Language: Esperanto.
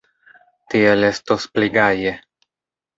Tiel estos pli gaje.